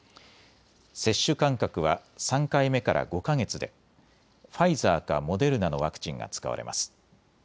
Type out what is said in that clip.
接種間隔は３回目から５か月でファイザーかモデルナのワクチンが使われます。